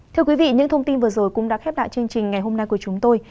thưa quý vị những thông tin vừa rồi cũng đã khép lại chương trình ngày hôm nay của chúng tôi